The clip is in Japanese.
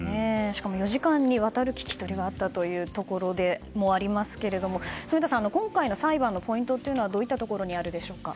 しかも４時間にわたる聞き取りがあったというところでもありますが住田さん、今回の裁判のポイントどういったところにありますか？